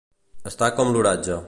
Estar com l'oratge.